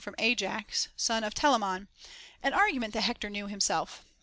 41 from Aj ax son of Telamon,* — an argument that Hector knew himself.